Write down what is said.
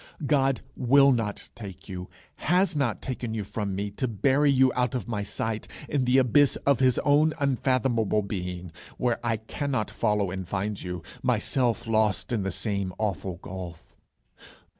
God will not take you, has not taken you from me to bury you out of my sight in the abyss of his own unfathomable being, where I cannot follow and find you, myself lost in the same awful gulf.